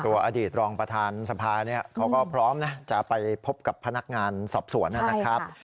อดีตรองประธานสภาเขาก็พร้อมนะจะไปพบกับพนักงานสอบสวนนะครับ